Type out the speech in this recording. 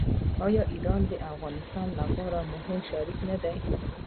آیا ایران د افغانستان لپاره مهم شریک نه دی؟